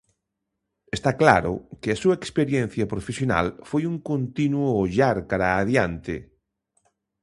Está claro que a súa experiencia profesional foi un continuo ollar cara a diante...